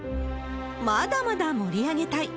まだまだ盛り上げたい。